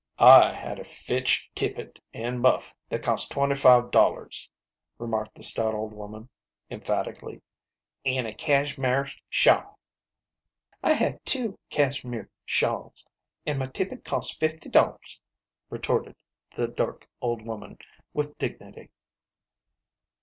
" I had a fitch tippet an' muff that cost twenty five dol lars," remarked the stout old woman, emphatically, " an' a cashmire shawl." "I had two cashmire shawls, an' my tippet cost fifty dol lars," retorted the dark old woman, with dignity.